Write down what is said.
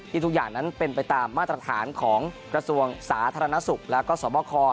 ทุกอย่างนั้นเป็นไปตามมาตรฐานของกระทรวงสาธารณสุขแล้วก็สวบค